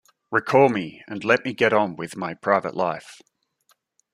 Recall me and let me get on with my private life.